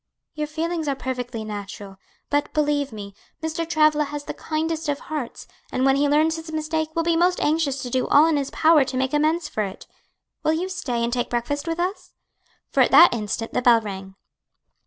"Your feelings are perfectly natural; but, believe me, Mr. Travilla has the kindest of hearts, and when he learns his mistake will be most anxious to do all in his power to make amends for it. Will you stay and take breakfast with us?" For at that instant the bell rang.